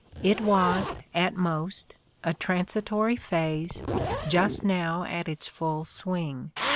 It was, at most, a transitory phase, just now at its full swing.